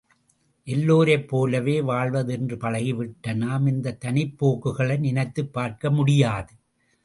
எல்லோரைப் போலவே வாழ்வது என்று பழகிவிட்ட நாம் இந்தத் தனிப்போக்குகளை நினைத்தும் பார்க்க முடியாது.